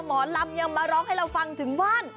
หมอลำยังมาร้องให้เราฟังถึงว่าน